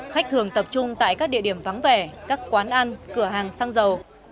khách thường tập trung tại các địa điểm vắng vẻ các quán ăn cửa hàng xăng dầu